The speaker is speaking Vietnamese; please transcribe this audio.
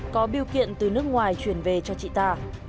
có biêu kiện từ nước ngoài chuyển về cho chị ta